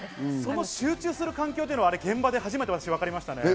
集中する環境は現場で初めてわかりました。